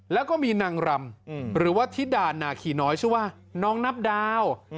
แล้วก็มีนางรำหรือว่าธิดานาคีน้อยชื่อว่าน้องนับดาว